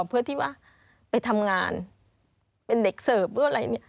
เพื่อที่ว่าไปทำงานเป็นเด็กเสิร์ฟหรืออะไรเนี่ย